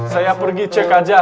saya pergi cek aja